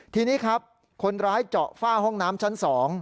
ทีนี้ครับคนร้ายเจาะฝ้าห้องน้ำชั้น๒